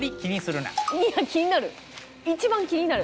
いや気になる。